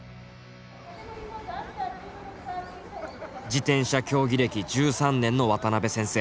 自転車競技歴１３年の渡辺先生。